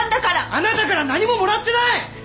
あなたから何ももらってない！